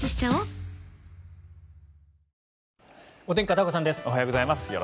おはようございます。